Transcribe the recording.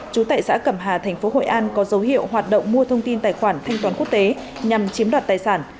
trú tại xã cẩm hà thành phố hội an có dấu hiệu hoạt động mua thông tin tài khoản thanh toán quốc tế nhằm chiếm đoạt tài sản